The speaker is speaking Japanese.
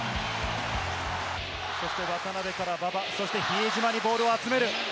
そして渡邊から馬場、そして比江島にボールを集める。